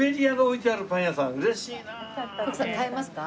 徳さん買いますか？